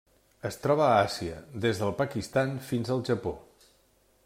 Es troba a Àsia: des del Pakistan fins al Japó.